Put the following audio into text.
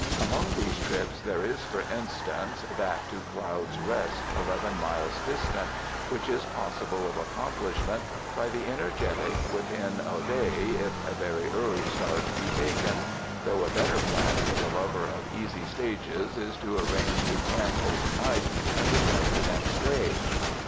Among these trips there is for instance, that to 65 UNDER THE SKY IN CALIFORNIA Cloud's Rest, eleven miles distant, which is possible of accomplishment by the energetic within a day, if a very early start be taken ; though a better plan for the lover of easy stages is to arrange to camp over night and return the next day.